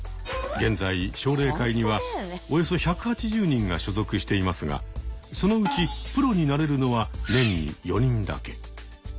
現在奨励会にはおよそ１８０人が所属していますがそのうちプロになれるのは年に４人だけ。